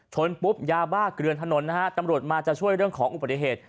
ปุ๊บยาบ้าเกลือนถนนนะฮะตำรวจมาจะช่วยเรื่องของอุบัติเหตุ